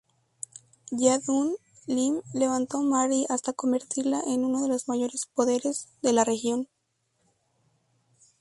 Yahdun-Lim levantó Mari hasta convertirla en uno de los mayores poderes de la región.